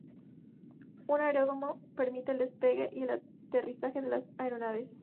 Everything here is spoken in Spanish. Un aeródromo permite el despegue y aterrizaje de las aeronaves.